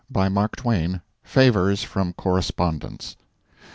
BY MARK TWAIN. FAVORS FROM CORRESPONDENTS.